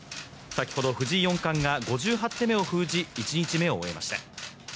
先ほど、藤井四冠が５８手目を封じ１日目を終えました。